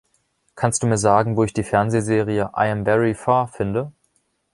Kannst du mir sagen, wo ich die Fernsehserie "I Am Very Far" finde?